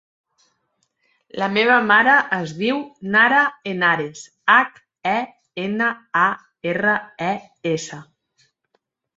La meva mare es diu Nara Henares: hac, e, ena, a, erra, e, essa.